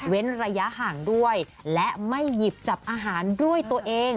ระยะห่างด้วยและไม่หยิบจับอาหารด้วยตัวเอง